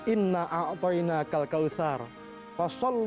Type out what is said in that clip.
itu worrying itu bukan kebahagiaan